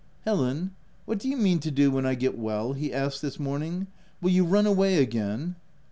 '" Helen, what do you mean to do when I get well ?" he asked this morning. " Will you run away again